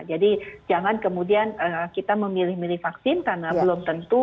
jadi jangan kemudian kita memilih milih vaksin karena belum tentu